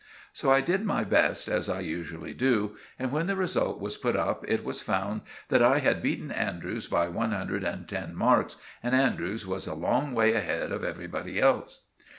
So I did my best, as I usually do; and when the result was put up it was found that I had beaten Andrews by one hundred and ten marks, and Andrews was a long way ahead of everybody else.